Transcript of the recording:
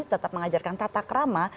tetap mengajarkan tata kerama